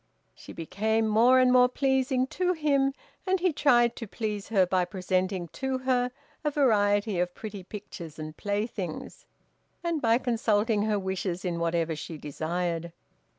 She became more and more pleasing to him, and he tried to please her by presenting to her a variety of pretty pictures and playthings, and by consulting her wishes in whatever she desired.